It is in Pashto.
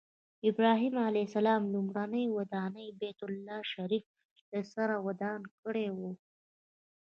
ابراهیم علیه السلام لومړنۍ ودانۍ بیت الله شریفه له سره ودانه کړې وه.